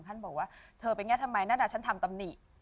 ท่านบอกว่าเธอเป็นอย่างนี้ทำไมนั่นอ่ะฉันทำตำหนิ